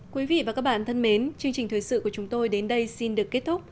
quý vị và các bạn thân mến chương trình thời sự của chúng tôi đến đây xin được kết thúc